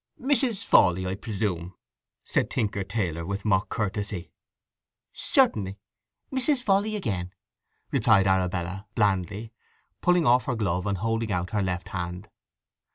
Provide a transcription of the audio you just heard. "Mrs. Fawley, I presume?" said Tinker Taylor with mock courtesy. "Certainly. Mrs. Fawley again," replied Arabella blandly, pulling off her glove and holding out her left hand.